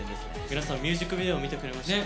皆さんミュージックビデオ見てくれました？